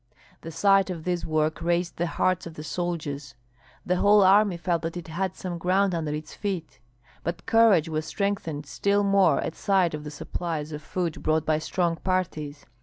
The sight of this work raised the hearts of the soldiers; the whole army felt that it had some ground under its feet. But courage was strengthened still more at sight of the supplies of food brought by strong parties.